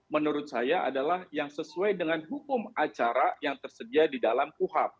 menurut saya adalah yang sesuai dengan hukum acara yang tersedia di dalam kuhap